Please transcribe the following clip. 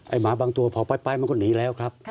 หมาบางตัวพอไปมันก็หนีแล้วครับ